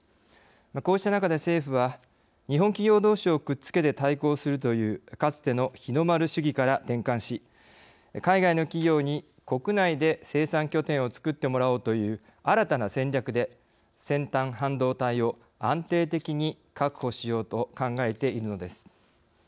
こうした中で政府は日本企業同士をくっつけて対抗するというかつての日の丸主義から転換し海外の企業に国内で生産拠点をつくってもらおうという新たな戦略で先端半導体を安定的に確保しようと考えているのです。